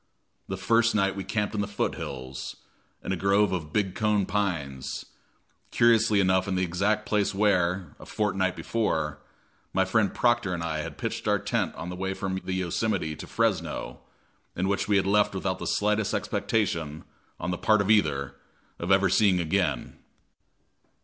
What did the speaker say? The first night we camped in the foot hills, in a grove of big cone pines, curiously enough in the exact place where, a fortnight before, my friend Proctor and I had pitched our tent on the way from the Yosemite to Fresno, and which we had left without the slightest expectation, on the part of either, of ever seeing again.